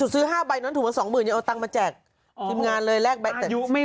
ซื้อ๕ใบนั้นถูกมา๒หมื่นเอาตังค์มาแจกงานเลยแรกอายุไม่